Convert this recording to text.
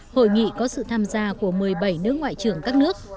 hội nghị có sự tham gia của một mươi bảy nước ngoại trưởng các nước